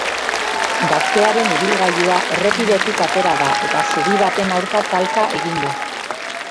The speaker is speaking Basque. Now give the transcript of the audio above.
Gaztearen ibilgailua errepidetik atera da, eta zubi baten aurka talka egin du.